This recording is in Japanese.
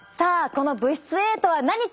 この物質Ａとは何か。